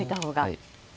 はい。